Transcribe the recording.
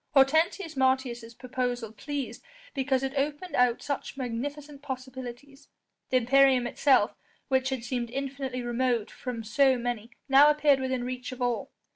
Hortensius Martius' proposal pleased because it opened out such magnificent possibilities: the imperium itself, which had seemed infinitely remote from so many, now appeared within reach of all.